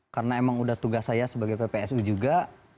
karena emang sudah tugas saya sebagai ppsu juga